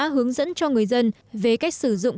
hướng dẫn cho người dân về cách sử dụng